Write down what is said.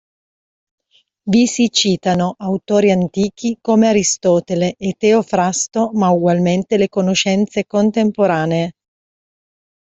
Vi si citano autori antichi, come Aristotele e Teofrasto, ma ugualmente le conoscenze contemporanee.